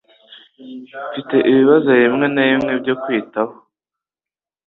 Mfite ibibazo bimwe na bimwe byo kwitaho.